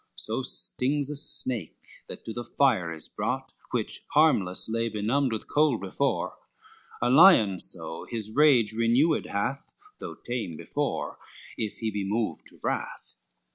So stings a snake that to the fire is brought, Which harmless lay benumbed with cold before, A lion so his rage renewed hath, Though fame before, if he be moved to wrath.